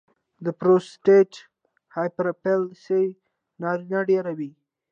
د پروسټیټ هایپرپلاسیا نارینه ډېروي.